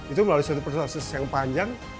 itu melalui suatu proses yang panjang